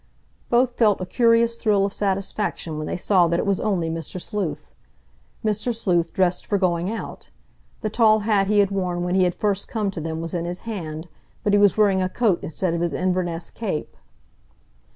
Both felt a curious thrill of satisfaction when they saw that it was only Mr. Sleuth—Mr. Sleuth dressed for going out; the tall hat he had worn when he had first come to them was in his hand, but he was wearing a coat instead of his Inverness cape.